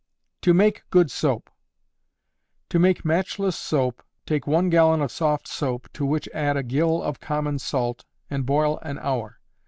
To Make Good Soap. To make matchless soap, take one gallon of soft soap, to which add a gill of common salt, and boil an hour.